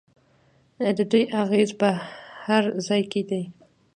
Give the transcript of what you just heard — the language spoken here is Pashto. د دوی اغیز په هر ځای کې دی.